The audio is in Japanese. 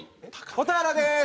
蛍原です！